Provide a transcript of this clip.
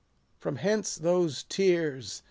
From hence those tears !